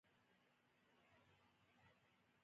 دا د فلسطین د خاورې اتلس سلنه برخه ده.